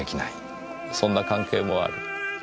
そんな関係もある。